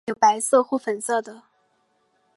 花瓣有白色或粉色的。